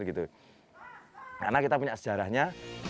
karena kita punya sejarahnya